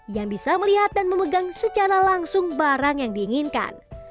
yang bisa melihat dan memegang secara langsung barang yang diinginkan